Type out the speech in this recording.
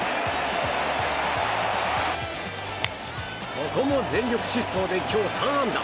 ここも全力疾走で今日３安打。